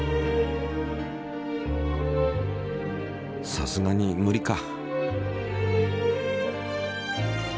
さすがに無理か。